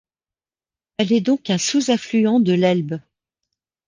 Elle est donc un sous-affluent de l'Elbe.